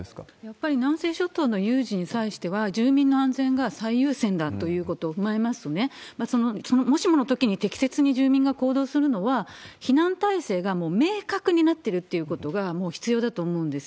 やっぱり南西諸島の有事に際しては、住民の安全が最優先だということを踏まえますと、もしものときに適切に住民が行動するのは、避難体制がもう明確になってるっていうことがもう必要だと思うんです。